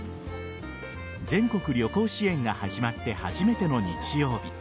全国旅行支援が始まって初めての日曜日